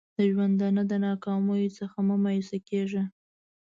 د ژوندانه د ناکامیو څخه مه مایوسه کېږه!